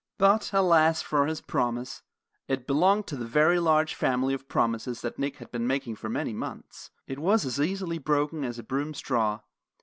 But, alas for his promise! It belonged to the large family of promises that Nick had been making for many months. It was as easily broken as a broom straw.